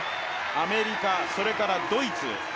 アメリカ、それからドイツ。